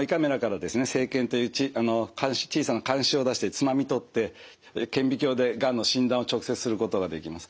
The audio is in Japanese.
生検という小さな鉗子を出してつまみ取って顕微鏡でがんの診断を直接することができます。